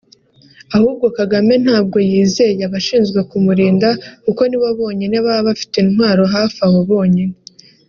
Ahubwo Kagame ntabwo yizeye abashinzwe kumurinda kuko nibo bonyine baba bafite intwaro hafi aho bonyine